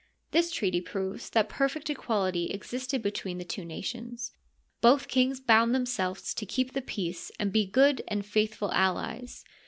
This treaty proves that perfect equality existed between the two nations. Both kings bound themselves to keep the peace and be good and Kiithful allies.